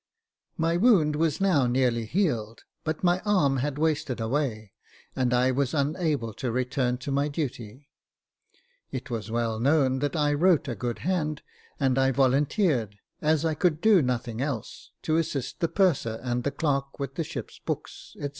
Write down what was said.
My wound was now nearly healed j but my arm had wasted away, and I was unable to return to my duty. It was well known that I wrote a good hand, and I volunteered, as I could do nothing else, to assist the purser and the clerk with the ship's books, &c.